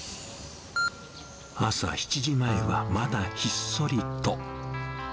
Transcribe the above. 朝７時前はまだひっそりと。